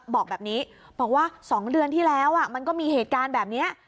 บอกแบบนี้บอกว่า๒เดือนที่แล้วมันก็มีเหตุการณ์แบบนี้